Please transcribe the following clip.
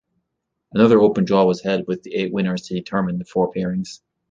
Another open draw was held with the eight winners to determine the four pairings.